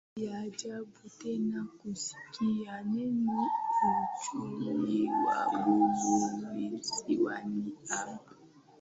Si ajabu tena kusikia neno uchumi wa buluu visiwani hapa